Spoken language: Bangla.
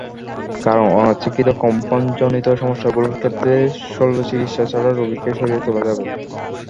কারণ অনিচ্ছাকৃত কম্পনজনিত সমস্যাগুলোর ক্ষেত্রে শল্যচিকিৎসা ছাড়াই রোগীকে সারিয়ে তোলা যাবে।